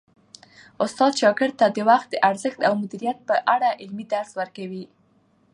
استاد شاګرد ته د وخت د ارزښت او مدیریت په اړه عملي درس ورکوي.